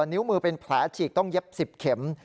นิ้วมือเป็นแผลฉีกต้องเย็บ๑๐เข็ม